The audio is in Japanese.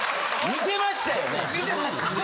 見てましたよね？